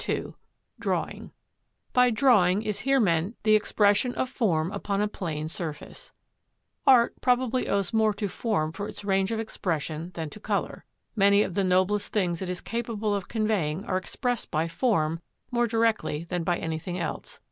II DRAWING By drawing is here meant #the expression of form upon a plane surface#. Art probably owes more to form for its range of expression than to colour. Many of the noblest things it is capable of conveying are expressed by form more directly than by anything else.